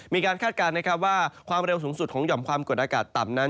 คาดการณ์นะครับว่าความเร็วสูงสุดของหย่อมความกดอากาศต่ำนั้น